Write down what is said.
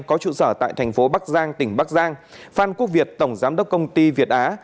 có trụ sở tại thành phố bắc giang tỉnh bắc giang phan quốc việt tổng giám đốc công ty việt á